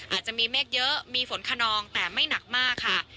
อาจจะมีเมฆเยอะมีฝนขนองแต่ไม่หนักมากค่ะ